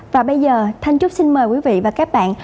và bây giờ thanh trúc xin mời quý vị và các bạn